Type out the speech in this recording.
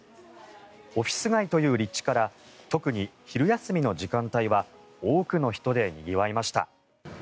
オフィス街という立地から特に昼休みの時間帯は多くの人でにぎわいました。